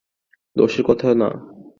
দোষের কথা না।